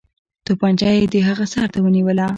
توپنچه یې د هغه سر ته ونیوله.